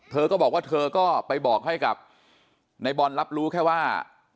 เธอก็บอกว่าเธอก็ไปบอกให้กับในบอลรับรู้แค่ว่า